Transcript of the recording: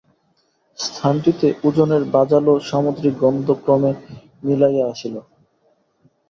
স্থানটিতে ওজনের বাজালো সামুদ্রিক গন্ধ ক্রমে মিলাইয়া আসিল।